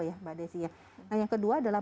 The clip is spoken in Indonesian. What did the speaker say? ya mbak desi nah yang ke dua adalah